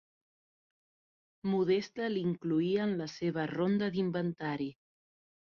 Modesta l'incloïa en la seva ronda d'inventari.